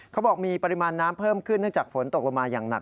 เขาบอกมีปริมาณน้ำเพิ่มขึ้นเนื่องจากฝนตกลงมาอย่างหนัก